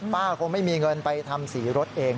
คงไม่มีเงินไปทำสีรถเอง